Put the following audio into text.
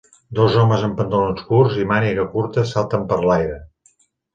Dos homes en pantalons curts i màniga curta salten per l'aire